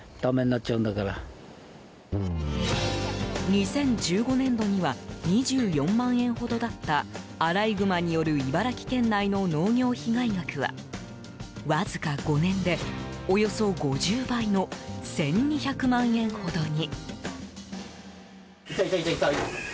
２０１５年度には２４万円ほどだったアライグマによる茨城県内の農業被害額はわずか５年で、およそ５０倍の１２００万円ほどに。